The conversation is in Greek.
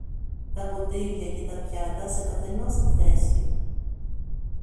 τα ποτήρια και τα πιάτα σε καθενός τη θέση.